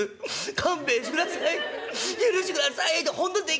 勘弁してください」。